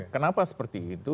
kenapa seperti itu